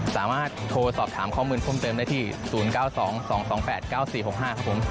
สามารถโทรศอบถามข้อมูลท่านเติมภาษาโทรศัพท์ได้ที่๐๙๒๒๒๘๙๔๖๕ครับผม